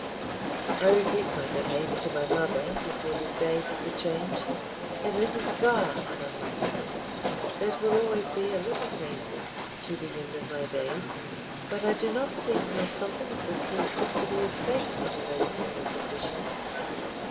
I regret my behavior to my mother before the days of the Change, it is a scar among my memories that will always be a little painful to the end of my days, but I do not see how something of the sort was to be escaped under those former conditions.